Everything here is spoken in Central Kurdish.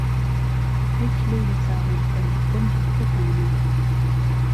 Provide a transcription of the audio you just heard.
ههی کلهی له چاوان کهن، بمرم کهتانه